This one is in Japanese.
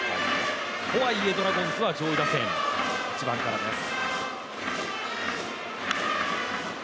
とはいえドラゴンズは上位打線１番からです。